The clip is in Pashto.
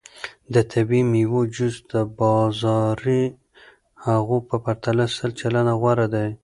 د طبیعي میوو جوس د بازاري هغو په پرتله سل چنده غوره دی.